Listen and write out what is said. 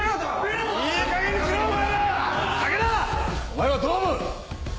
お前はどう思う？